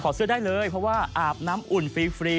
เสื้อได้เลยเพราะว่าอาบน้ำอุ่นฟรี